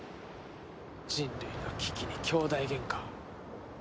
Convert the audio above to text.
人類の危機に兄弟ゲンカ。